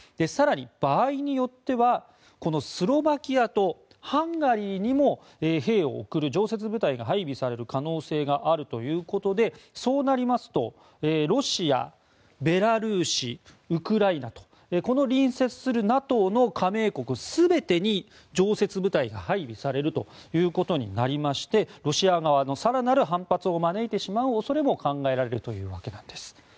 更に、場合によってはこのスロバキアとハンガリーにも兵を送る、常設部隊が配備される可能性があるということでそうなりますとロシア、ベラルーシウクライナと、この隣接するＮＡＴＯの加盟国全てに常設部隊が配備されるということになりましてロシア側の更なる反発を招いてしまう恐れも考えられるというわけなんです。